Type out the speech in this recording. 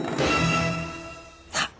さあ